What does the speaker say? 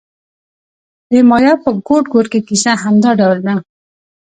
د مایا په ګوټ ګوټ کې کیسه همدا ډول ده.